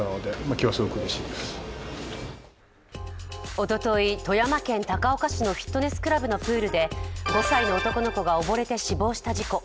おととい、富山県高岡市のフィットネスクラブのプールで５歳の男の子が溺れて死亡した事故。